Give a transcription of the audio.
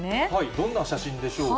どんな写真でしょうか。